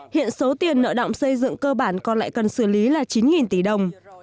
hiện số tiền nợ động xây dựng cơ bản còn lại cần xử lý là chín tỷ đồng